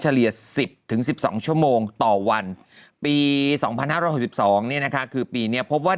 เลีย๑๐๑๒ชั่วโมงต่อวันปี๒๕๖๒เนี่ยนะคะคือปีนี้พบว่า